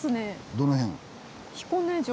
どの辺？